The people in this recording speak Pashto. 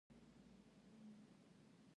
ښه حکومتولي ټولنې ته سوله او ثبات راولي.